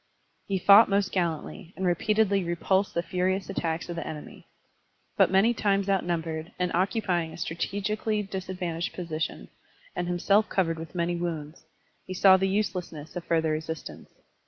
He fought most gallantly, and repeatedly repulsed the furious attacks of the enemy. But many times outnumbered, and occupying a strategically disadvantageous posi tion, and himself covered with many wounds, he saw the uselessness of further resistance.